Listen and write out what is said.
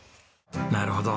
なるほど。